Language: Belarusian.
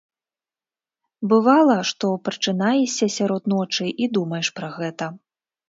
Бывала, што прачынаешся сярод ночы і думаеш пра гэта.